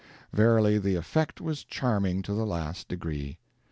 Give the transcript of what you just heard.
Verily, the effect was charming to the last degree.